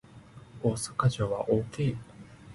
大阪城は大きい